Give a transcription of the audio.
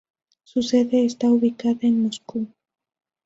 Su sede está ubicada en Moscú.